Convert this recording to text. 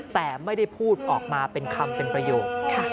แต่ไม่ได้พูดออกมาเป็นคำเป็นประโยค